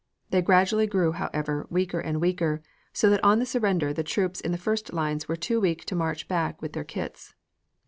They gradually grew, however, weaker and weaker, so that on the surrender the troops in the first lines were too weak to march back with their kits.